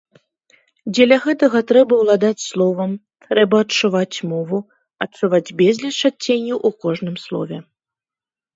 Дзеля гэтага трэба ўладаць словам, трэба адчуваць мову, адчуваць безліч адценняў у кожным слове.